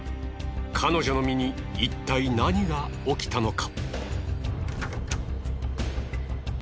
彼女の身にいったい何が起きたのか！？